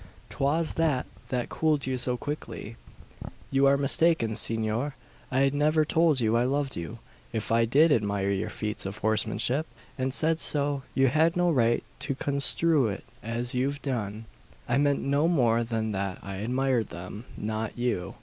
'Twas that that cooled you so quickly." "You are mistaken, Senor. I never told you I loved you. If I did admire your feats of horsemanship, and said so, you had no right to construe it as you've done. I meant no more than that I admired them not you.